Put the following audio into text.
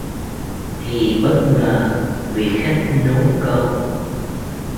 Thì bất ngờ Vị Khách nối câu